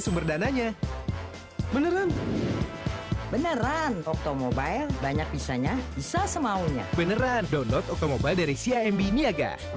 selamat siang dan sampai jumpa